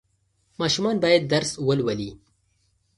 ماشومان باید درس ولولي.